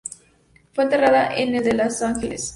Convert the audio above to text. Fue enterrada en el de Los Ángeles.